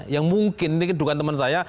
yang mungkin ini kedukan teman saya